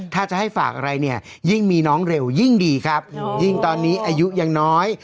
ถ้าจะให้ฝากอะไรเนี่ยยิ่งมีน้องเร็วยิ่งดีครับยิ่งตอนนี้อายุยังน้อย